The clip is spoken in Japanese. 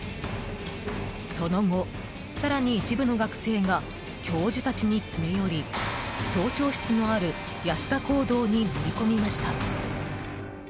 その後、更に一部の学生が教授たちに詰め寄り総長室のある安田講堂に乗り込みました。